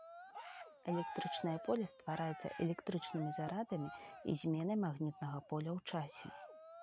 Электрычнае поле ствараецца электрычнымі зарадамі і зменай магнітнага поля ў часе.